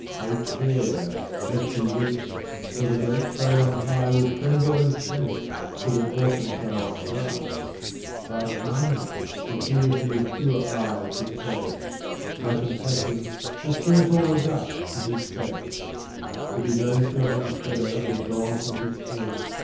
Take care ! lest he weeps, for the great throne on high Will tremble and shake, should an orphan child cry ! By kindness, the tears from his pure eyes displace ! By compassion, disperse all the dust from his face ! If his own sheltering shadow has gone from his head.